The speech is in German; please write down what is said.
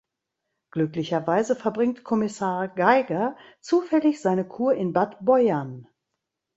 Glücklicherweise verbringt Kommissar Geiger zufällig seine Kur in Bad Beuern.